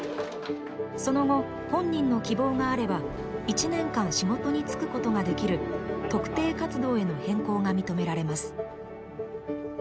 その後本人の希望があれば１年間仕事に就くことができる特定活動への変更が認められます。